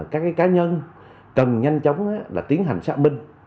các cá nhân cần nhanh chóng là tiến hành xác minh